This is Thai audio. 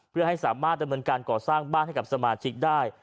เพื่อให้สามารถดำเนินการก่อสร้างบ้านให้กับสมาชิกได้